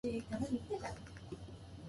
もう恋なんてしないなんて、言わないよ絶対